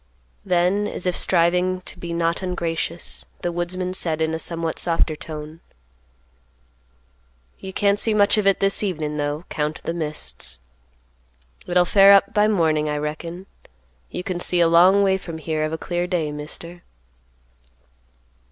Then, as if striving to be not ungracious, the woodsman said in a somewhat softer tone, "You can't see much of it, this evening, though, 'count of the mists. It'll fair up by morning, I reckon. You can see a long way from here, of a clear day, Mister."